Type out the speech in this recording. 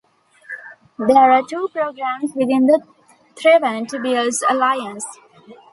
There are two programs within the Thrivent Builds alliance.